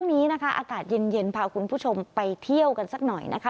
วันนี้นะคะอากาศเย็นพาคุณผู้ชมไปเที่ยวกันสักหน่อยนะคะ